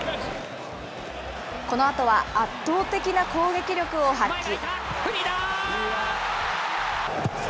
このあとは圧倒的な攻撃力を発揮。